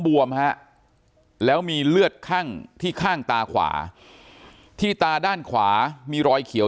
วมฮะแล้วมีเลือดคั่งที่ข้างตาขวาที่ตาด้านขวามีรอยเขียว